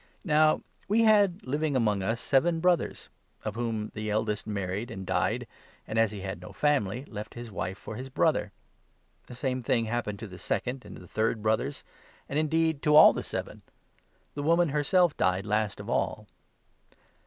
Now we had living among us seven brothers ; of whom the 25 eldest married and died, and, as he had no family, left his wife for his brother. The same thing happened to the second and 26 the third brothers, and indeed to all the seven. The woman 27 herself died last of all.